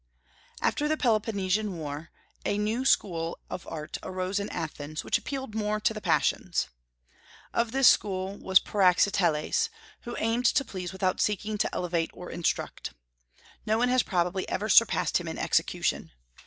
After the Peloponnesian War a new school of art arose in Athens, which appealed more to the passions. Of this school was Praxiteles, who aimed to please without seeking to elevate or instruct. No one has probably ever surpassed him in execution.